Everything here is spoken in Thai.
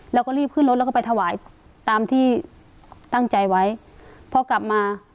แล้วก็รีบขึ้นรถแล้วก็ไปถวายตามที่ตั้งใจไว้พอกลับมา